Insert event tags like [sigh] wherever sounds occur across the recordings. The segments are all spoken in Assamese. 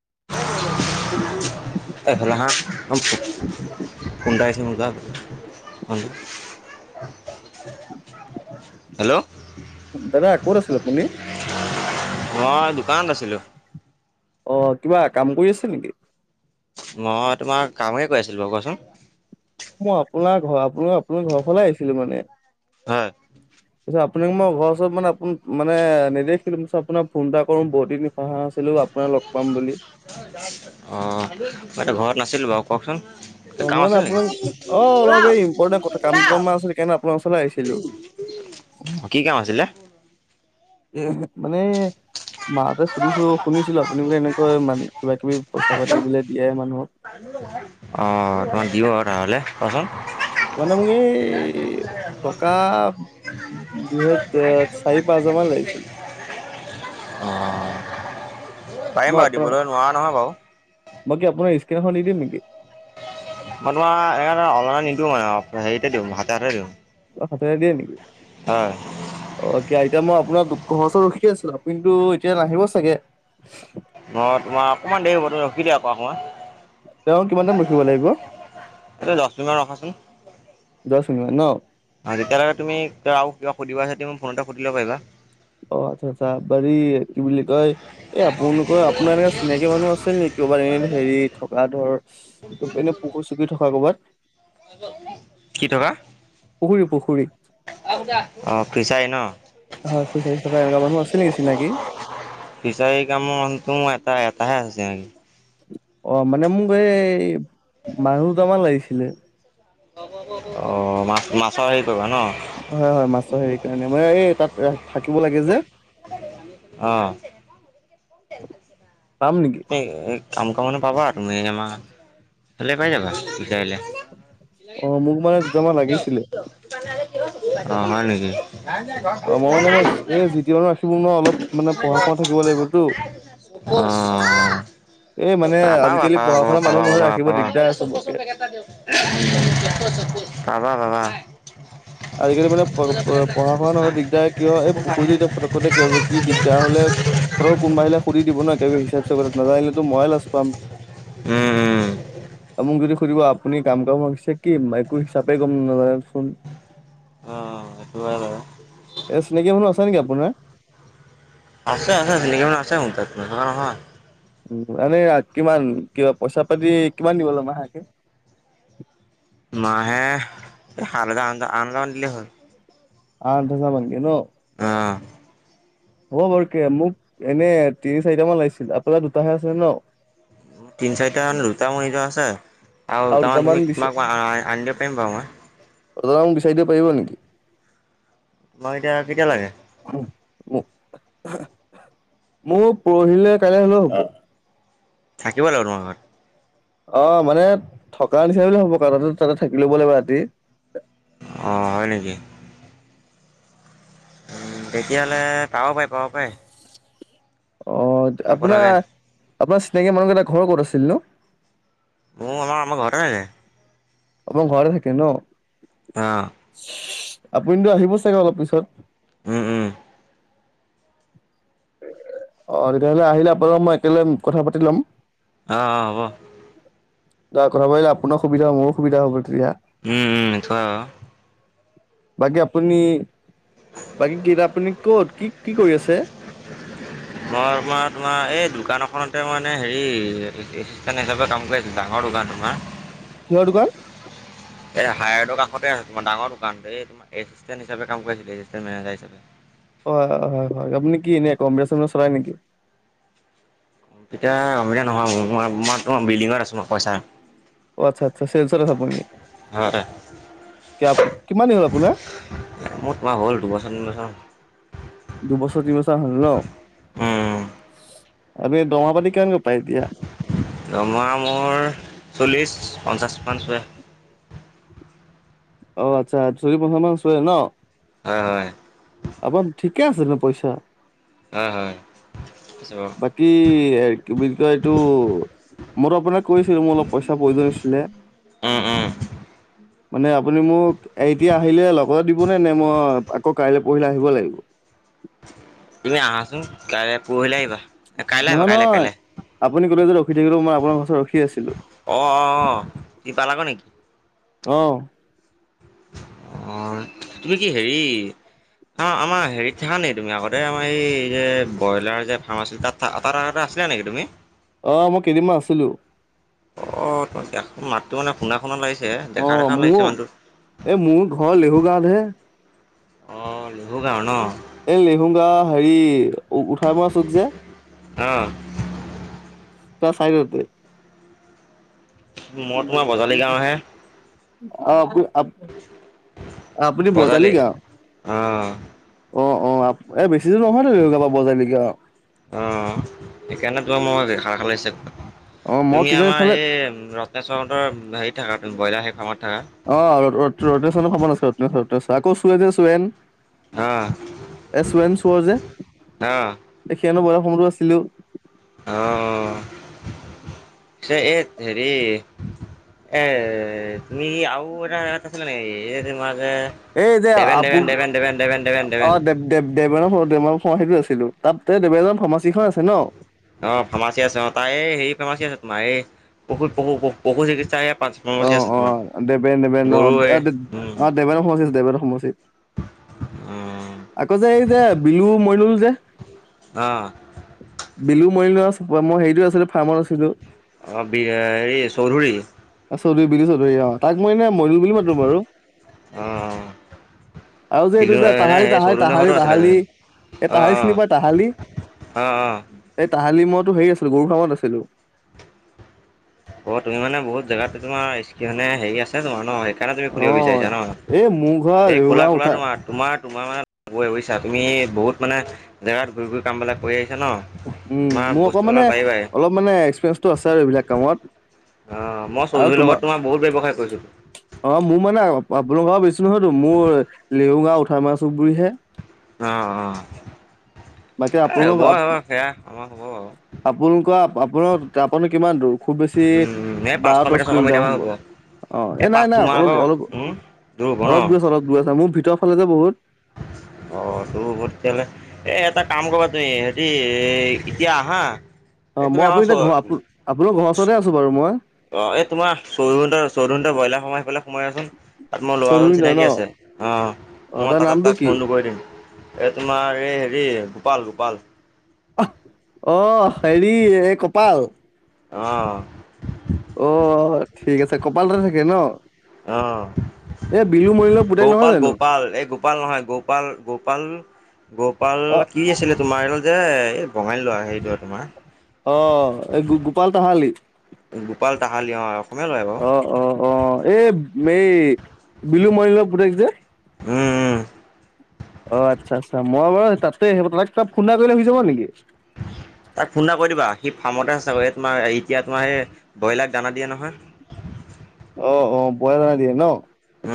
[inaudible] এই হেইদিনাখন ফোন এটা আহিছিলে মোৰ তাত। হেল্ল' হেল্ল' দাদা ক'ত আছিল আপুনি? মই দোকানত আছিলোঁ। অহ' কিবা কাম কৰি আছে নেকি? নহয় তোমাৰ কামে কৰি আছিলোঁ বাৰু, কোৱাচোন। মই আপোনাৰ ঘৰ আপোনাৰ আপোনাৰ ঘৰ ফালে আহিছিলোঁ মানে হয় আপোনাক মই ঘৰ ওচৰত মানে আপোন মানে দেখিলোঁ মই বোলোঁ আপোন ফোন এটা কৰোঁ বহু দিন কৰা নাছিলোঁ। অ' মই এতিয়া ঘৰত নাছিলোঁ বাৰু, কওঁকচোন। অ' কাম মই মানে আছিল নেকি? আপোনাক অ' অলপ ওলাও এই ইম্পৰ্টেণ্ট কথা কাম ওলাও দুটামান আছিল সেইকাৰণে আপোনাৰ ওচৰলৈ আহিছিলো। কি কাম আছিলে? এই মানে। মাহঁতে সুধিছো শুনিছিলো আপুনি বোলে এনেকৈ কিবা কিবি পইচা পাতি বোলে দিয়ে মানুহক আহ তোমাক দিও আৰু ধাৰলে কোৱাচোন মানে মোৰ এই টকাৰ দুহেজাৰ চাৰি পাঁ হাজাৰ মান লাগিছিল অঁ পাৰিম মই বাৰু আপোনাৰ দিবলৈ নোৱাৰা নহয় বাৰু। বাকী আপোনাৰ স্ক্ৰীন এখন নি দিম নেকি মই তোমাৰ এ অনলাইন নিদিওঁ মানে হেৰিতে দিওঁ হাতে হাতে দিওঁ। অ হাতেৰে দিয়ে নেকি হয় অ আতয়া মই আপোনাৰ দু খৰচ ৰখি আছিলো কিন্তু এতিয়া নাহিব চাগে নহ তোমাৰ অকণমান দেৰি হ'ব তুমিখ দা আকৌ তেওঁ কিমান অকমান টাইম ৰখিব লাগিব এই দশ মিনিট মান ৰখাচোন। দশ মিনিট ন। তেতিয়ালৈকে তুমি ত আৰু কা সুধিবা তম ফোন এ সুধ ল পাৰিবা অ আচ্ছা আচ্ছা বাৰি কি বুলি কয় এই আপোননোকৰ আপোনাৰ এনো চিনাকি মানুহ আছিল নেকি কৰ'ৰবাত এনে হেৰি থকা ধৰ তো এনে পুখুৰী চুখুৰী থকা ক'ৰবাত। কি টকা পুখুৰী পুখুৰীত কছাই ন হয় খুই চাইজ থকা এনেকুৱা মানুহ আছিল নেকি চিনাকি? ফ্ৰিছাৰি কামত তোমা তাৰ এটাহে হৈছে মানে অ' মানে মোক এই মানুহ দুটামান লাগিছিলে। অ মাছ মাছৰ সেই হয় হয় মাছৰ হেৰি কাৰণে মানে এই তাত থাকিব লাগে যে অ পাম নেকি? কাম কৰা মানুহ পাবা তুমি আমাৰ কাইলে পাই যাবা। অ মোক মানে দুটামান তে লাগিছিলে। অ হয় নেকি নাই যে ঘৰত অ মই এই মানে মই এই জিটি মানুহ ৰাখিব নোৱাৰো অলপ মানে পঢ়া নাই শুনা থাকিব লাগিবতো [unintelligible] অ এই মানে পাবা পাবা আজিকালি পঢ়া পাবা শুনা মানুহ পাবা নহয় পাবা ৰাখিব পাবা দিগদাৰ চোপা চোপ চবকে পেকেট এটা দিয়কচোন। [unintelligible] বাবা বাব আজিকালি মানে পঢ়া শুনা নহয় দিগদাৰ কি হয় এই পুখুৰীটো এতিয়া ফটকতে কি দিগদাৰ হ'লে ঘৰত কোনবা আহিলে সুধি দিব না হিচাপ চিচাপ নাাজানিলেতো মইয়ে লাজ পাম। উম উম আৰু মোক যদি সুধিব আপুনি কাম কাম কৰিছে কি ম একো হিচাপে গম নাজানে চোন। অ সটো বাৰে এ চিনাকি মানুহ আছা নেকি আপোনাৰ? আছে আছে নকি মান আছেণ হয় উম, এনে কিমান কিবা পইচা পাতি কিমান দিব এমাহাকে? মাহে হাল আন আনল দিলে হ'ল আঠ হাজাৰ মানকে ন'। কুত্ত হ'ব বৰকে মোক এনে তিনি চাৰিটা মান লাগিছিল, আপোনাৰ দুটাহে আছে ন'? তিনি চাৰিটাান োতামনিিজ আছে আৰু তাৰমানে দুটামান তুমি বিচা তোমাক আনিব প পাব মা অজ মোক বিচাৰি দিব পাৰিব নেকি তোমাক এতিয়া কেতিয়া লাগে? উ উ মোৰ পৰহিলে কাইলৈ হলেও হ'ব থাকিব লাগিব তোমাৰ ঘৰত। অ মানে থকা নিচিনা বুলি হ'ব ক তাতে তাতে থাকি ল'ব লাগিব ৰাতি অঁ হয় নেকি উ তেতিয়াহলে পাব পাই পাব পাৰে অ আপোনাৰ আপোনাৰ চিনাকি মানুহ এটা ঘৰ ক'ত আছিল ন মোৰ আমাৰ আম ঘৰ আহে আপাৰ ঘৰে থাকে ন অহ আপুনিতো আহিব চাগে অলপ পিছত উম উম অ তেতিয়াহ'লে আহিলে আপোনালোক মই একেলগ কথা পাতি লম অহ অহ হব ত কথা পালে আপোনাৰ সুবিধা হ মোৰু সবিধা হ'ব তেতিয়া উম উম এথ বাকী আপুনি বাকী কটা আপুনি কত কি কি কৰি আছে উ মই তোমাৰ তোমাৰ এই দোকান এখনতে মানে হেৰি এচিষ্টেণ্ট হিচাপে কাম কৰি আছো ডাঙৰ [unintelligible] কিহৰ দোকান এই হায়াৰডৰ কষতে আছেো তোাৰ ডাঙৰ দোকানটো এই তোাৰ এছিেণ্ট হিচাপে কাম কৰিছিলে এচিষ্টেণ্ মেজাৰ হিচাপে অ হয় হয় হয় হয় আপুনি কি এনে কম্পিটিচন চলাই নেকি এতিয়া নহয় মো বিল্ডিঙত আছো মই পইচা অ আচ্ছা আচ্ছা চেলচাৰ আছাপ হয় কিমান দিন হ'ল আপোনাৰ মোৰ তোমাৰ হ'ল দুবছৰ তিনিবছৰ দুবছৰ তিন বছৰ হল ন উম আৰু দৰ্মহা পাতি কেনে জমা মোৰ চল্লিছ পঞ্চাছ মান ছোৱে অ আচ্ছা চদি পঞ্চা মান চৰে ন হয় হয় আপাৰ ঠিকে আছিল পইচা উ হয় হয় বাকী কি বুলি কয় এইটো মইো আপোনাক কৈছিলো মোৰ অলপ পইচা প্ৰয়োজন হৈছিলে অহ মানে আপুনি মোক এতিয়া আহিলে লগতে দিবনে নে মই আকৌ কাইলৈ পঢ়িলে আহিব লাগিব [unintelligible] তুমি আহাচোন কাইলৈ পুহিলাই আহিবা কাইলৈ আহিবা নহয় কাইলৈ নহয় কাইলৈ আপুনি কলে যে ৰখি থাকিলেও মই আপোনাৰচ ৰখি আছিলো অ অ অ কি প লাগ নেকি অহ অঁ [unintelligible] তুমি কি হেৰি অ আমাৰ হেৰিত থাকা নে তুমি আগতে আমাৰ এই যে ব্ৰইলাৰ যে ফাৰ্ম আছিল তাত তাত আগতে আছিলা নেকি তুমি অহ মই কেইদিনমান আছিলো অ ত মাতটো মানে শুনা শুনা লাগিছে অ দেখা দেখা লাগিছে মোৰ মানুহটো এ মোৰ ঘৰ লেহু গাঁওতহে অ লিহু গাও ন এই লেহুগা হেৰি উঠাই মৰা চুক যে অহ ত চাইডতে মই তোমাৰ বজালি গাঁও হে অহ আপুনি বজালি গাঁও অ অ অ এ বেছি দৰ নহয় নাব বজাৰলৈকে অ সেইকাৰণে তোমাৰ [inaudible] তুমি কিন্তু আমাৰ এইফালে এই ৰত্নেশ্বৰহতৰ হেৰিত থাকা, ব্ৰইলাৰ সেই ফ্ৰামত থাকা। [unintelligible] আকৌ চুৱে যে চুৱেন। অ এ চুৱেন চুৱৰ যে অ সিহঁতৰ বয়স সমৰো আছিলো। অহ', চে এই হেৰি এ তুমি আৰু এটাত আছিলা নেকি? এই যে তোমাৰ যে এই যে দেবেন আপু দেবেন দেবেন দেবেন দেবেন দেবেন অ দেবেন দে দে দেবানৰ দে ফ সেইটো আছে। ছিলো তাততে দেব এজন ফাৰ্মাচী খন আছে ন। অ' ফাৰ্মাচী আছে। অ' তাই হেৰি ফাৰ্মাচী আছে। তোমাৰ এই পশু, পশু, পশু চিকিৎসা এই পাঁচ অ, ফাৰ্মাচী আছে অ তোমাৰ দেবেন, দেবেন, অ, গৰু এই উম অ, দেবেনৰ সমষ্টি, দেবেনৰ সমষ্টি। [inaudible] আকৌ যে, এই যে বিলু মইনুল যে, অ বিলো মইনুল মই হেৰিটো আছিলো ফাৰ্মত আছিলো। অ, বি হেৰি চৌধুৰী। চৌধুৰী, বিলো চৌধুৰী, তাক মই এনেই মইনুল বুলি মাটো বাৰু অ আৰু যে এইটো বিলু যে এনে তাই সেই তাহালি, চৌধুৰী ঘৰতো আছিলা তাহালি, তুমি এই অ তাহালি চিনি পাই তাহালি, অ অ এই তাহালি কালি মইতো হেৰি আছিলো গৰু ফামত আছিলো। অ তুমি মানে বহুত জেগাতে তোমাৰ কেনে হেৰি আছে তোমাৰ ন। সেইকাৰণে তুমি অ খুলিব বিচাৰিছা ন' এই মোৰ ঘৰ এই খোলা লেহুগাঁও খোলা উঠা তোমাৰ, তোমাৰ তোমাৰ মানে কৈ হৈইছা তুমি বহুত মানে জেগাত গৈ গৈ কামবিলাক কৰি ন উম, তোমাৰ মোৰ বস্তুবিলাক অকণমানে, পাৰিবাই অলপমানে এক্সপিৰিয়েঞ্চটো আছে আৰু এইবিলাক কামত। অ', মই আৰু চৌধুৰীৰ লগত তোমাৰ, বহুত ব্যৱসায় কৰিছিলোঁ। অ', মোৰ মানে অ', বোলো গাওঁ বেছি নহয়তো মোৰ লিউগাওঁ উঠা মাৰা চুবুৰীয়ে। অ', বাকী অ', এ আপোনালোক হ'ব সেয়া আমাৰ, হ'ব আৰু। আপোনালোকৰ আপোনাৰ তাৰ পৰানো কিমান দূৰ খুব বেছি উম, উম, এই পাঁচশ বাৰ দশ মিটাৰ ছশ কিলোমিটাৰ মিটাৰমান মান হ'ব। অ', এই এ পাঁচ নাই নাই তোমাৰ আকৌ অলপ অলপ, উম, দূৰ হ'ব ন? অলপ দূৰ আছে অলপ দূৰ আছে মোৰ ভিতৰৰ ফালে যে বহুত [inaudible] অ তোৰ ভতিয়াহাললে এ এটা কাম কৰিবা তুমি হেৰি এতিয়া আহা এই অ', মই তুমি আমাৰ আপুনি এতিয়া ঘৰ আপোনাৰ ঘৰৰ ওচৰতে আছোঁ বাৰু মই। অ এই তোমাৰ চৌধু চৌধুটৰ ব্ৰইলাৰ সোমাই আহি ফালাই সোমাই আছোন তাত মোৰ লৰাজন চৈধুৰীণিতৰ ন চিনাকি আছে অ আহ মই তাৰ তাতে নামটো তাক কি ফোনটো কৰি দিম এ তোমাৰ এই হেৰি গোপাল গোপাল আহ হেৰি এই কপাল অ অ ঠিক আছে কপাল তাতে থাকে ন অ'। এই বিলু মৰিলৰ পুতেক নহয় গৌপাল, জানো গৌপাল, এই গোপাল নহয়। গৌপাল, গৌপাল। গৌপাল অ কি আছিলে তোমাৰ এইত যে এই বঙালী ল'ৰা হেৰিটো তোমাৰ অ এই গোপাল তাহালি গোপাল তাহালি অ। অসমীয়া ল'ৰাই বাৰু অ', অ', অ', এই এই বিলু মণিলক পুতেক যে। ওম ওম অ আচ্ছা আচ্ছা মই বাৰু তাতে আহ তাক ত ফোন এটা কৰিলে শুই যাব নেকি তাক ফোন এটা কৰি দিবা সি ফাৰ্মতে আছে তোমাৰ এতিয়া তোমাৰ সেই ব্ৰ'ইলাৰক দানা দিয়ে নহয়। [inaudible] অ অ ব দানা দিয়ে ন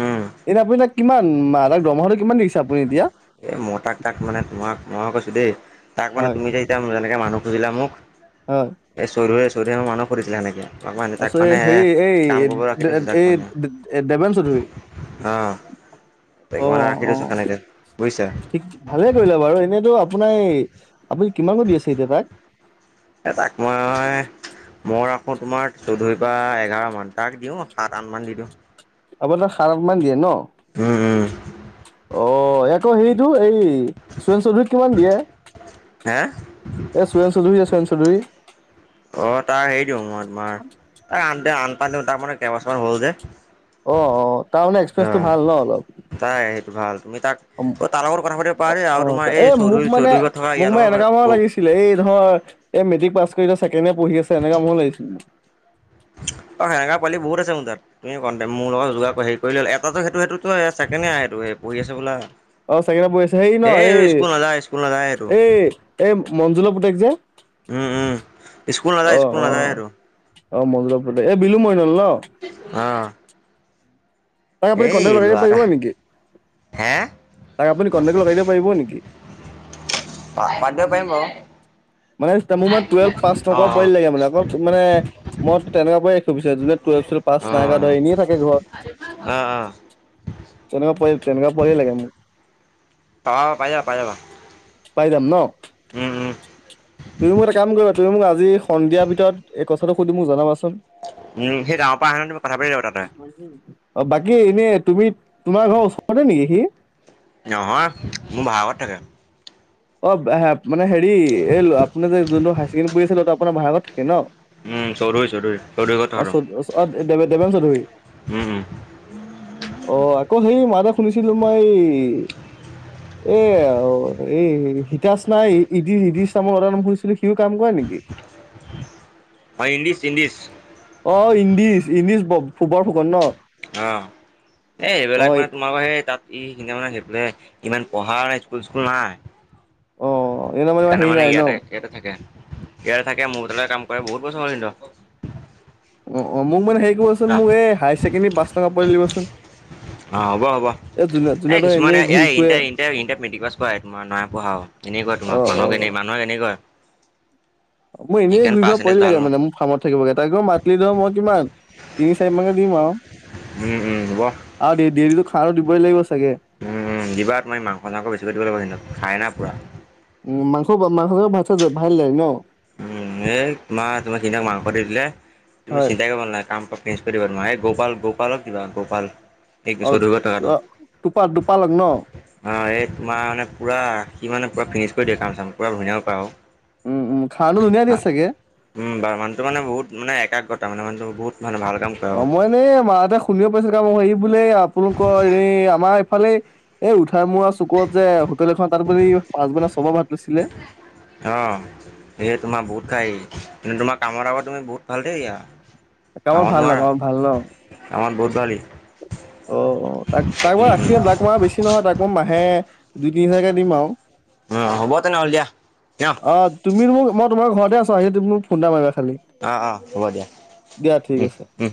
উম এনে আপুনি তাক কিমান মাহ তাক দৰমহাটো কিমান দিছে আপুনি এতিয়া এ মই তাক তাক মানে তোমাক মই কৈছো দেই তাক মানে হয় তুমি যে এতিয়া যেনেকে এ মানুহ খুজিলে মোক হয় এই চৈধুৰীয়ে, চৌধুৰীয়ে মানুহ সুধিছিলে সেনেকৈ মানে তাক তাৰপিছত এই মানে হেৰি এই কাম কৰিব ৰাখি থৈছো তাক মানে এই দেবেন চৌধুৰী অ' তাক অ মানে ৰাখি অ থৈছোঁ। ঠিক ভালেই কৰিলা বাৰু এনেইতো আপোনাৰ আপুনি কিমাননো দি আছে এতিয়া তাক। এ তাক মই মই ৰাখো তোমাৰ চৌধুৰ পৰা এঘাৰ মান তাক দিওঁ সাত আঠ মান দি দিওঁ। আপুনাৰ সাৰ অকন মান দিয়ে ন। উম-উম, অ' এক হেইতো এই সোৰেণ চৌধুৰীক কিমান দিয়ে হে এ চোৰেণ চৌধুৰী-চৌধুৰী। চৌধুৰী অ' তাৰ হেৰি দিওঁ মই তোমাৰ ত আন আনপা দিওঁ তাৰ মানে কেইবছমান হ'ল যে। অ-অ তাৰ মমানে এক্সপিৰিয়েন্ঞ্চটো অঁ ভাল ন অলপ। তাই সেইটো ভাল তুমি তাক অ তাৰ লগত কথা পাতিব পাৰা দেই আৰু অ-অ তোমাৰ এই মোক চৌধুৰী মানে চৌধুৰী ঘৰত থকা মোক ইয়াৰ মানে এনেকা মানুহ লগত লাগিছিলে এই ধ এই মেট্ৰিক পাছ ছেকেণ্ড ইয়াৰ পঢ়ি আছে এনেকুৱা মোকো লাগিছিলে। [inaudible] অ' সেঙা পালি বহুত আছে মোৰ তুমি ক দেতে মোৰ লগ যোগাৰ হেৰি কৰি লল এতাটো সেইটো সেইটোটো ছেকেণ্ডইয়াৰ পৰি আছে বোলা অ' চাগিটা বহ আছে হেই ন এই এইটো স্কুল নাযায় স্কুল নাযায় সেইটো এই-এই-এই মঞ্জুলৰ পুতেক যে। উম-উম স্কুল অ নাযায় স্কুল অ নাযায় আৰু। অ' মধলপুৰত এই বিলু মই অহ তাক আপুনি কন্টেক লগাই দিব পাৰিব নেকি? হে তাক আপুনি কটেক্ট লগাই দিব পাৰিব নেকি? পা পাদ পাৰিম আকৌ। মানে মোৰ মান টুৱেলভ পাছ থকা পৰি লাগে মানে আকৌ মানে ময়ো তেনেকুৱা পৰা ত পিছত পাচ অ অ নাগা ধৰে এনেই থাকে অ অ ঘৰত তেনেকুৱা পোৱা তেনেকুৱা পোৱালি এ লাগে মোক। অ' পাই যাবা, পাই যাবা পাই যাম ন। উম উম তুমি মোক এটা কাম কৰিবা তুমি মোক আজি সন্ধিয়াৰ ভিতৰত এই কথাটো সুধি মোক জনাবাচোন। উম, সেই ডাঙৰ পৰা আহেন তমি কথা পাতি যা তাতে। অ' বাকী এনেই তুমি তোমাৰ ঘৰৰ ওচৰতে নেকি সি? নহয় মোৰ ভাৰাঘৰত থাকে। অ' মানে হেৰি এই আপোনাৰ যে যোনটো হায়াৰ ছেকেণ্ডৰ আছিলে তটো আপোনাৰ ভাৰাঘৰত থাকে ন। উম চৌধুৰী চৌধুৰী চৌধুৰী ঘৰত অ চ অ দে দেবান চৌধুৰী। উম-উম, অ' আকৌ সেই মা এটা শুনিছিলো মই এই এই হিতাশ নাই ইদি ইদিশ নামৰ অডাৰ নাম কৰিছিলে সি, কাম কৰা নেকি? চিনডিছ অ' ইংদিছ-ইংদিছ ফু বৰ ফুকন ন। অ' এই অ এইবিলাক মানে তোমালোকৰ সেই তাত ইখিনি মানে সেইফে ইমান পঢ়াৰ স্কুল - স্কুল নাই। অ এনে সেইকাৰণে হেৰি মানে নাই ন ইয়াতে-ইয়াতে থাকে। ইয়াৰে থাকে মোৰ ব কাম কৰে বহুত বস্তু ম কিন্ত অ অ' মোক মানে হেৰি কৰিবচোন মোক এই হায়াৰ ছেকেণ্ডেৰী পাঁচ টকা পোৱালি দিবচোন। অ, হ'ব-হ'ব। এই যোনে এ যোনে ধৰ কিছুমানে এনেই ঘূৰি ই-ই ফুৰে ইয়াৰ মেট্ৰিক পাছ কৰা তোাৰ নহয় পঢ়া এনেকুৱ অ তোাক মানুহকেনে মানুহে এনেকুৱা মই এনেই সেইকাৰণে ঘূৰি ফৰা পাৰ্চেণ্টেজ পৰিল ভাল লাগে নহয় মানে মোৰ ফাৰ্মত থাকিবগে তা আকৌ মাতদিও মই তোমাক। তিনি চাৰি মানত দিম আৰু উম, উম, ৱাহ সাৰ দিবই লাইগছ উম, দিবা তুমি মাংস চাংস বেছিকৈ দিব লাগিব না খাই ন পুৰা। উম, মাংস মাংস ভাত চাত যে ভাল লাগে ন উম, এই তোমাৰ তোমাক সিহঁতক মাংস দি দিলে তুমি হয় চিন্তাই কৰিব নালাগে কাম অকে। [unintelligible] নোৱাই গোপাল গোপালক কিবা গোপাল অ একবছৰ দুৰ্গত আটো টোপা [unintelligible] টোপালক ন অ একমাহ মানে পুৰা সি মানে পূৰা ফিনিছ কৰিদিয়ে কাম চাম পুৰা ধুনীয়াও পাৰা উম উম খানাটো ধুনীয়া হ দিয়ে চাগে উম বাৰু মানুহটো মানে বহুত মানে একাগ্ৰতা মানে মানুহটো বহুত মানে ভাল কাম কৰে অ আৰু মই নে মাহঁতে শুনিব পাইছো ক মোক হে বোলে আপোনালোকৰ এই আমাৰ ফালে এই উঠাই মৰা চুকত যে হোটেল এখন তাত বুলি পাছবাৰ চবাৰ ভাত লৈছিলে। অ এই তোমাৰ বহুত খাই তোমাৰ কামৰ আগত তুমি বহুত ভাল দে এয়া একাউণ্ট কামত ভাল ন নোৱাৰা, একাউণ্ট ভাল ন কামত বহুত ভাল ই। অ অ তাক তাক উম, মই ৰাখিম ব্লাক মই বেছি নহয় তাক মই মাহে দুই তিনি হাজাৰকে দিম আও। উম, উম, হ'ব তেনেহ'লে দিয়া। ন অ তুমি মোক মই তোমাৰ ঘৰতে আছো আহি তুমি মোক ফোনটা মাৰিবা। খালি অ', অ', হ'ব দিয়া দিয়া ঠিক উম, আছে। উম।